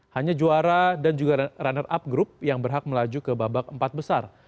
hanya juara dan juga runner up group yang berhak melaju ke babak empat besar